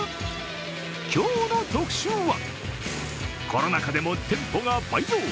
今日の特集はコロナ禍でも店舗が倍増。